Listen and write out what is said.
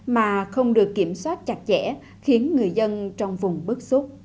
mà không được kiểm soát chặt chẽ khiến người dân trong vùng bức xúc